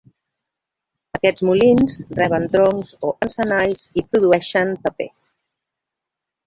Aquests molins reben troncs o encenalls i produeixen paper.